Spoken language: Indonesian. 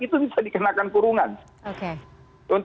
itu bisa dikenakan kurungan